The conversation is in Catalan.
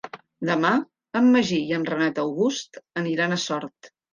Demà en Magí i en Renat August aniran a Sort.